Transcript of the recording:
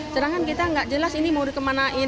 sedangkan kita nggak jelas ini mau dikemanain